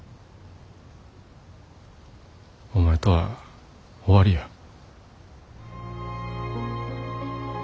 お前とは終わりや。